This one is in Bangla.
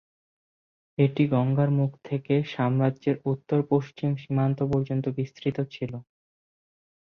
এটি গঙ্গার মুখ থেকে সাম্রাজ্যের উত্তর পশ্চিম সীমান্ত পর্যন্ত বিস্তৃত ছিল।